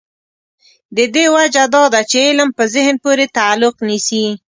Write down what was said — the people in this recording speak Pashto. د دې وجه دا ده چې علم په ذهن پورې تعلق نیسي.